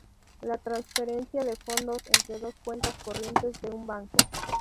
La transferencia de fondos entre dos cuentas corrientes de un banco.